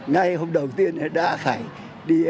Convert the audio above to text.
ngày hôm đầu tiên đã phải đi